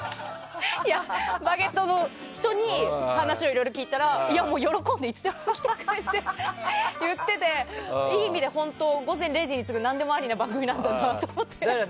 「バゲット」の人に話をいろいろ聞いたらいや、もう喜んでいつでも来てくれって言ってていい意味で「午前０時」に次ぐ何でもありなんだなって。